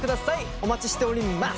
お待ちしております！